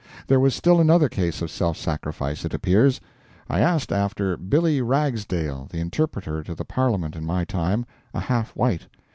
There was still another case of self sacrifice, it appears. I asked after "Billy" Ragsdale, interpreter to the Parliament in my time a half white.